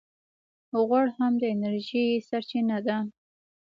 غوړ هم د انرژۍ سرچینه ده